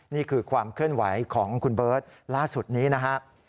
นี่คือความเคลื่อนไหวของคุณเบิร์ตล่าสุดนี้นะครับ